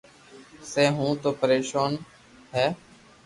سي مون تو پريسون ھي